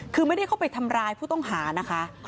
คือไม่ได้เข้าไปทำร้ายผู้ต้องหานะคะ